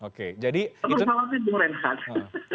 oke jadi itu tinggal menunggu nanti penjelasan dari panitia